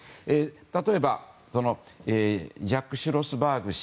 例えばジャック・シュロスバーグ氏。